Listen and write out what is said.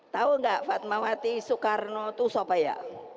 tahu gak fatmawati soekarno tuh sopa ya